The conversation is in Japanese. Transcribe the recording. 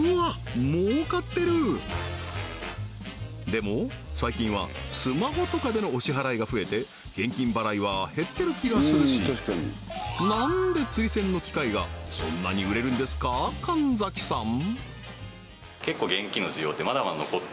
でも最近はスマホとかでのお支払いが増えて現金払いは減ってる気がするしなんでつり銭の機械がそんなに売れるんですか神崎さん？